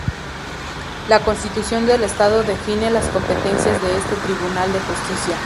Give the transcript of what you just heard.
La Constitución del estado define las competencias de ese Tribunal de Justicia.